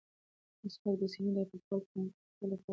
مسواک د سینې د پاکوالي او تنفس د خلاصوالي لپاره ګټور دی.